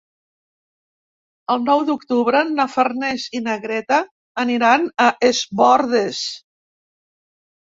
El nou d'octubre na Farners i na Greta aniran a Es Bòrdes.